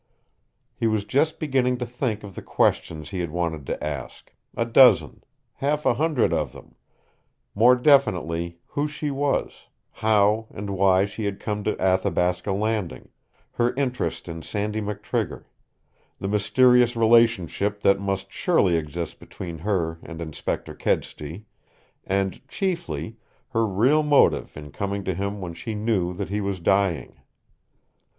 He was just beginning to think of the questions he had wanted to ask, a dozen, half a hundred of them more definitely who she was; how and why she had come to Athabasca Landing; her interest in Sandy McTrigger; the mysterious relationship that must surely exist between her and Inspector Kedsty; and, chiefly, her real motive in coming to him when she knew that he was dying.